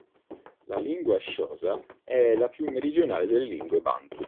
La lingua xhosa è la più meridionale delle lingue bantu.